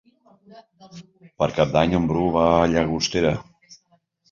Per Cap d'Any en Bru va a Llagostera.